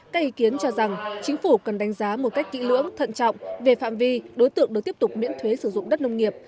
các ý kiến cho rằng chính phủ cần đánh giá một cách kỹ lưỡng thận trọng về phạm vi đối tượng được tiếp tục miễn thuế sử dụng đất nông nghiệp